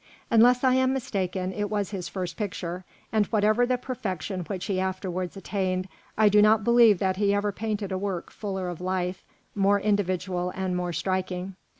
Unless I am mistaken, it was his first picture, and whatever the perfection which he afterwards attained, I do not believe that he ever painted a work fuller of life, more individual, and more striking.